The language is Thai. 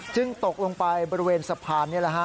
ตกลงไปบริเวณสะพานนี่แหละฮะ